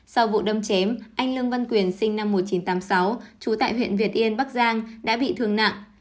sau vụ đâm chém anh lương văn quyền sinh năm một nghìn chín trăm tám mươi sáu trú tại huyện việt yên bắc giang đã bị thương nặng